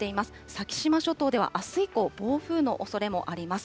先島諸島ではあす以降、暴風のおそれもあります。